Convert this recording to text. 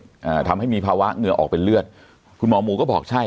อ่าทำให้มีภาวะเหงื่อออกเป็นเลือดคุณหมอหมูก็บอกใช่